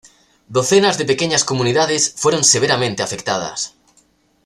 Docenas de pequeñas comunidades fueron severamente afectadas.